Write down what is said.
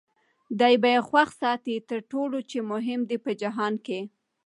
دی به خوښ ساتې تر ټولو چي مهم دی په جهان کي